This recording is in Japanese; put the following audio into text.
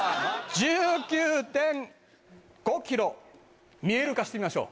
１９．５キロ見える化してみましょう。